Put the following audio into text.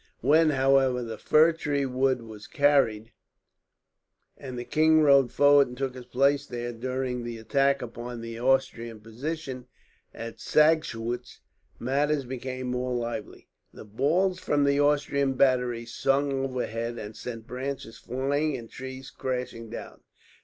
When, however, the fir tree wood was carried, and the king rode forward and took his place there during the attack upon the Austrian position at Sagschuetz, matters became more lively. The balls from the Austrian batteries sung overhead, and sent branches flying and trees crashing down.